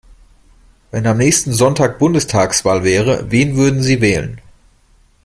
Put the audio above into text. Wenn am nächsten Sonntag Bundestagswahl wäre, wen würden Sie wählen?